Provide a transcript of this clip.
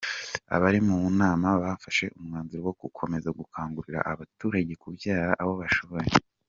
Abari mu nama bafashe umwanzuro wo gukomeza gukangurira abaturage kubyara abo bashoboye.